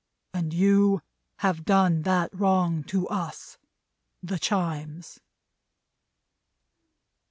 And you have done that wrong to us, the Chimes."